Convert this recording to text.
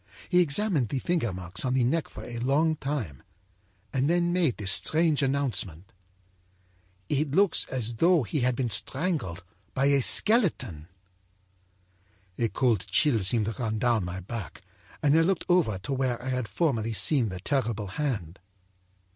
He examined the finger marks on the neck for a long time and then made this strange announcement: â'It looks as though he had been strangled by a skeleton.' âA cold chill seemed to run down my back, and I looked over to where I had formerly seen the terrible hand.